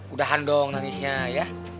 udah handong nangisnya ya